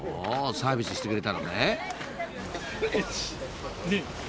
サービスしてくれたのね］